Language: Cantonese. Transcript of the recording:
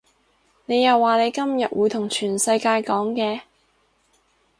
你又話你今日會同全世界講嘅